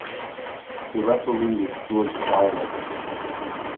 The referee was George Siler.